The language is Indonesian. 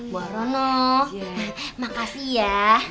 buarono makasih ya